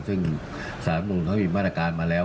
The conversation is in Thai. ซึ่งสารธรรมนูญเขาหยิบมาตรการมาแล้ว